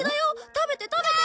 食べて食べて！